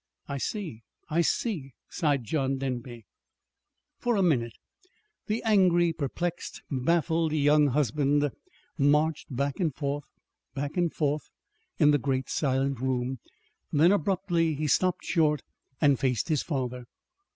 "I see, I see," sighed John Denby. For a minute the angry, perplexed, baffled young husband marched back and forth, back and forth, in the great, silent room. Then, abruptly, he stopped short, and faced his father.